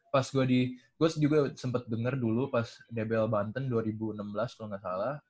pas gua di gua juga sempet denger dulu pas dbl banten dua ribu enam belas kalo ga salah